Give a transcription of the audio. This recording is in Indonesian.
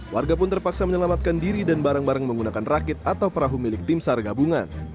warga pun terpaksa menyelamatkan diri dan barang barang menggunakan rakit atau perahu milik tim sargabungan